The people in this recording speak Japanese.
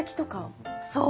そう！